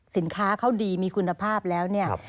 สินค้าเขาดีมีคุณภาพแล้ว